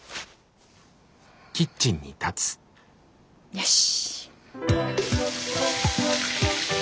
よし！